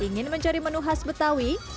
ingin mencari menu khas betawi